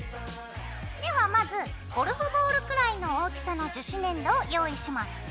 ではまずゴルフボールくらいの大きさの樹脂粘土を用意します。